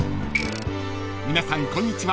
［皆さんこんにちは